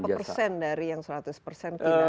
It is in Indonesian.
berapa persen dari yang seratus persen kilo